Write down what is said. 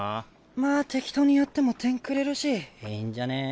まあ適当にやっても点くれるしいいんじゃねぇ？